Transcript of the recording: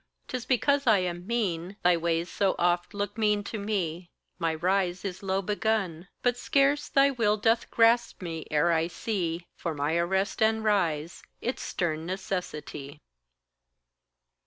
'Tis because I am mean, thy ways so oft Look mean to me; my rise is low begun; But scarce thy will doth grasp me, ere I see, For my arrest and rise, its stern necessity.